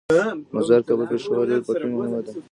د مزار - کابل - پیښور ریل پټلۍ مهمه ده